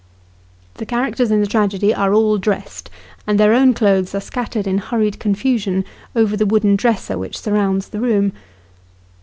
The characters in the tragedy are all dressed and their own clothes are scattered in hurried confusion over the wooden dresser which surrounds the room.